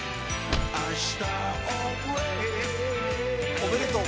おめでとう。